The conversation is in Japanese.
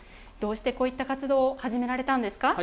どうしてこういった活動を始められたんですか？